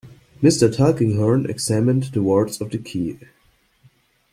Mr. Tulkinghorn examined the wards of the key.